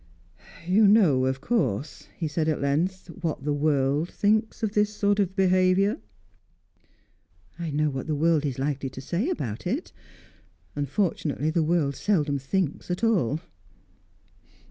"You know, of course," he said at length, "what the world thinks of this sort of behaviour?" "I know what the world is likely to say about it. Unfortunately, the world seldom thinks at all."